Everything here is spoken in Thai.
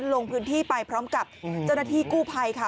ลงพื้นที่ไปพร้อมกับเจ้าหน้าที่กู้ภัยค่ะ